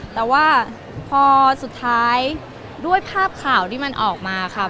แต่ว่าพอสุดท้ายด้วยภาพข่าวที่มันออกมาค่ะ